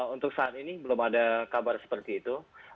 untuk saat ini belum ada kabar seperti itu